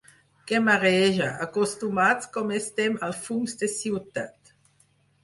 Que mareja, acostumats com estem als fums de ciutat.